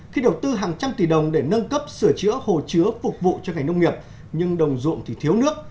khi đầu tư hàng trăm tỷ đồng để nâng cấp sửa chữa hồ chứa phục vụ cho ngành nông nghiệp nhưng đồng ruộng thì thiếu nước